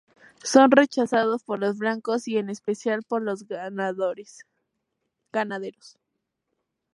Son rechazados por los blancos y en especial por los ganaderos.